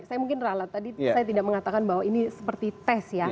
saya mungkin ralat tadi saya tidak mengatakan bahwa ini seperti tes ya